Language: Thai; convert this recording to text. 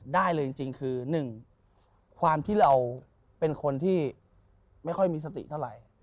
ได้เลยจริงคือ๑ความที่เราเป็นคนที่ไม่ค่อยมีสติเท่าไหร่